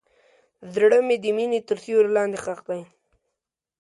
زړه مې د مینې تر سیوري لاندې ښخ دی.